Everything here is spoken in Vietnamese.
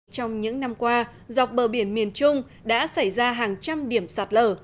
trong những năm qua dọc bờ biển miền trung đã xảy ra hàng trăm điểm sạt lở